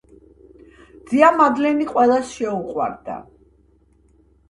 ძია მადლენი ყველას შეუყვარდა.